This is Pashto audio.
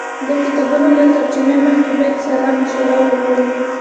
د کتابونو له ترجمې مخکې باید سلا مشوره وغواړو.